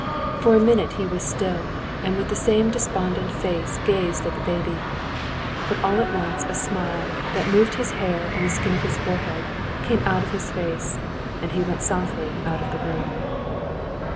For a minute he was still, and with the same despondent face gazed at the baby; but all at once a smile, that moved his hair and the skin of his forehead, came out on his face, and he went as softly out of the room.